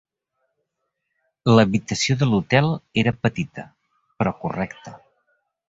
L'habitació de l'hotel era petita, però correcta.